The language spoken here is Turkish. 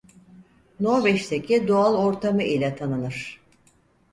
Norveç'teki doğal ortamı ile tanınır.